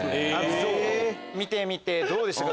見てみてどうでしたか？